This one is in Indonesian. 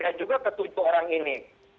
dan juga ketujuh orang ini